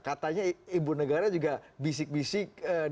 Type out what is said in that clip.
katanya ibu negara juga bisik bisik di belakang panggung depannya